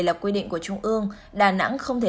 lập quy định của trung ương đà nẵng không thể